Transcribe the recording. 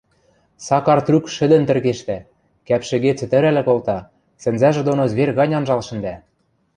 Сакар трӱк шӹдӹн тӹргештӓ, кӓпшӹге цӹтӹрӓл колта, сӹнзӓжӹ доно зверь гань анжал шӹндӓ.